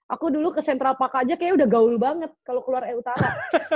aku dulu ke central park aja kayaknya udah gaul banget kalo keluar eutara